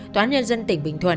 tòa án nhân dân tỉnh bình thuận